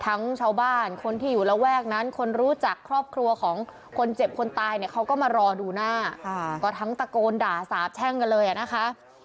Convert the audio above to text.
ชาวบ้านคนที่อยู่ระแวกนั้นคนรู้จักครอบครัวของคนเจ็บคนตายเนี่ยเขาก็มารอดูหน้าก็ทั้งตะโกนด่าสาบแช่งกันเลยอ่ะนะคะ